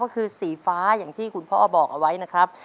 ก็คือสีฟ้าอย่างที่คุณพ่อบอกเอาไว้นะครับ